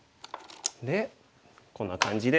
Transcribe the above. でこんな感じで。